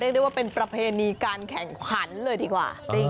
เรียกได้ว่าเป็นประเพณีการแข่งขันเลยดีกว่า